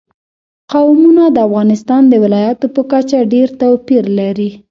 قومونه د افغانستان د ولایاتو په کچه ډېر توپیر لري.